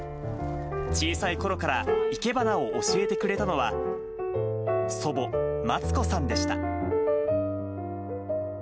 小さいころから生け花を教えてくれたのは、祖母、松子さんでした。